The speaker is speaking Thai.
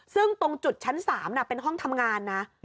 ซึ่งตรงจุดชั้น๓เป็นห้องทำงานนะ